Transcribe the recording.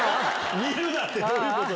見るなってどういうことだ。